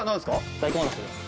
大根おろしです。